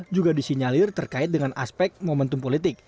juga disinyalir terkait dengan aspek momentum politik